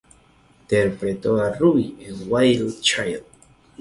Interpretó a Ruby en "Wild Child".